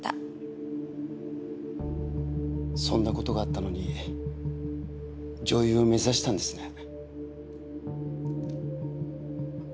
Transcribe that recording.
そんなことがあったのに女優を目指したんですね。